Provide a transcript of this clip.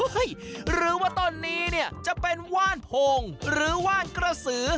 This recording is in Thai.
หรือว่าต้นนี้เนี่ยจะเป็นว่านโพงหรือว่านกระสือ